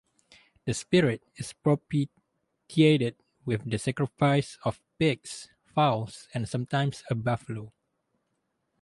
The spirit is propitiated with the sacrifice of pigs, fowls, and sometimes a buffalo.